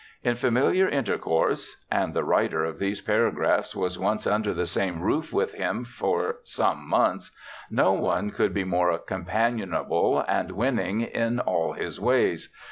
In familiar intercourse — and the writer of these paragraphs was once under the same roof with him for some months — no one could be more companionable and winning in all his ways.